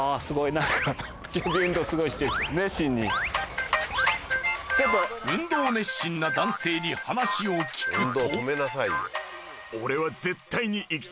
なんか運動熱心な男性に話を聞くと。